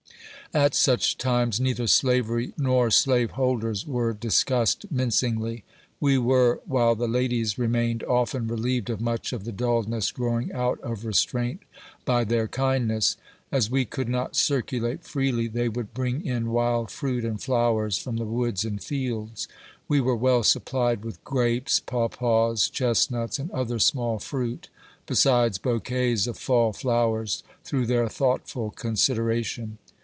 At such times, neither slavery nor slaveholders were discussed mincingly. We were, while the ladies remain ed, often relieved of much of the dullness growing out of re straint by their kindness. As we could not circulate freely, they would' bring in wild fruit and flowers from the woods and fields. We were well supplied with grapes, paw paws, chestnuts, and other small fruit, besides bouquets of fall flow ers, through their thoughtful consideration.